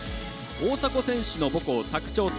大迫選手の母校、佐久長聖。